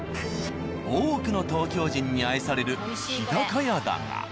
多くの東京人に愛される「日高屋」だが。